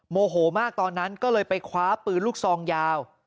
โมโหมากตอนนั้นก็เลยไปคว้าปืนลูกซองยาว